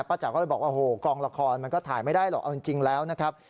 จ๋าก็เลยบอกว่าโอ้โหกองละครมันก็ถ่ายไม่ได้หรอกเอาจริงแล้วนะครับ